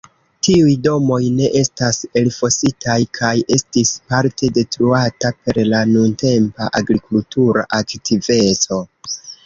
Tiuj domoj ne estas elfositaj kaj estis parte detruata per la nuntempa agrikultura aktiveco.